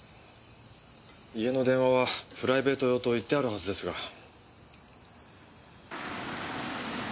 家の電話はプライベート用と言ってあるはずですが。